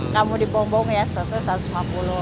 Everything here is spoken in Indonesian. kamu dibombong ya statusnya satu ratus lima puluh